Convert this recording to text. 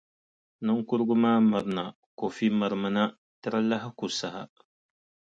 Niŋkurugu maa mirina. Kofi mirimina, ti di lahi ku saha.